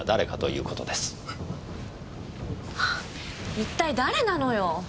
一体誰なのよ！